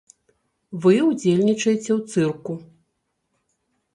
Вы ўдзельнічаеце ў цырку!